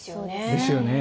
ですよね。